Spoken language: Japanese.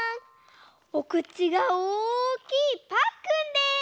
おくちがおおきいパックンです！